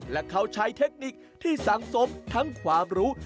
และเขาใช้เทคนิคที่สังสมทั้งความรู้